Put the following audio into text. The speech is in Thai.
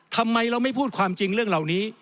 ทำไมเราไม่พูดความจริงเรื่องเหล่านี้